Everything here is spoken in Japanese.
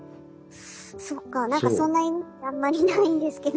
そっか何かそんなあんまりないんですけど。